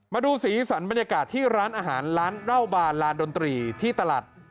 มาดูสีสันบรรยากาศที่ร้านอาหารร้านเหล้าบานลานดนตรีที่ตลาด